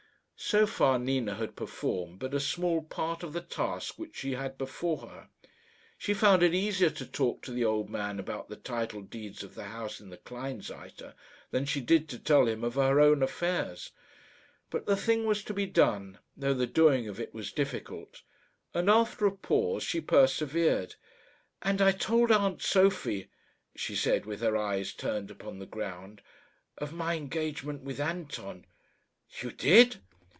So far Nina had performed but a small part of the task which she had before her. She found it easier to talk to the old man about the title deeds of the house in the Kleinseite than she did to tell him of her own affairs. But the thing was to be done, though the doing of it was difficult; and, after a pause, she persevered. "And I told aunt Sophie," she said, with her eyes turned upon the ground, "of my engagement with Anton." "You did?"